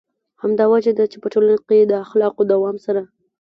همدا وجه ده چې په ټولنه کې اخلاقو دوام سره.